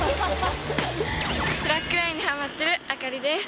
スラックラインにハマってるあかりです。